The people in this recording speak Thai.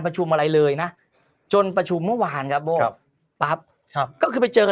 ประชุมอะไรเลยนะจนประชุมเมื่อวานครับปั๊บก็คือไปเจอกัน